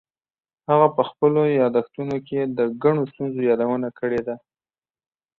هغه په خپلو یادښتونو کې د ګڼو ستونزو یادونه کړې ده.